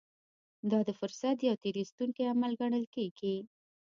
دا د فرصت يو تېر ايستونکی عمل ګڼل کېږي.